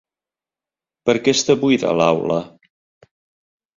Per què està buida l"aula?